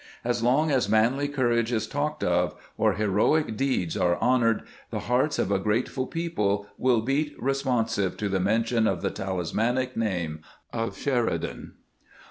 As long as manly courage is talked of, or heroic deeds are honored, the hearts of a grateful people will beat responsive to the mention of the talismanic name of Sheridan.